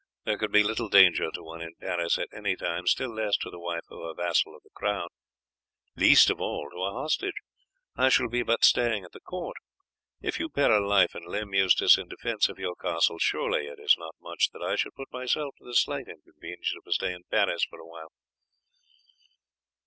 There could be little danger to one in Paris at any time, still less to the wife of a vassal of the crown, least of all to a hostage. I shall be but staying at the court. If you peril life and limb, Eustace, in defence of your castle, surely it is not much that I should put myself to the slight inconvenience of a stay in Paris for a while."